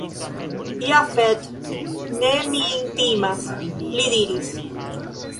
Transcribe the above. Jafet ne min timas, li diris.